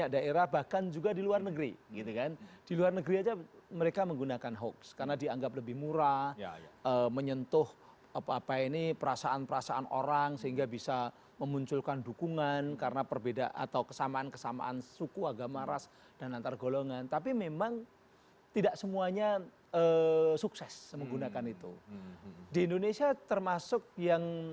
demikian perbincangan saya